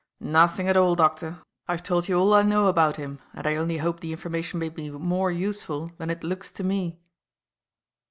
"Nothing at all, doctor. I've told you all I know about him, and I only hope the information may be more useful than it looks to me."